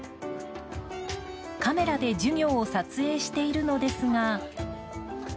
カメラで授業を撮影しているのですが。